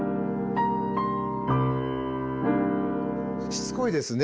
しつこいですね。